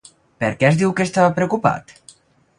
Per què es diu que estava preocupat?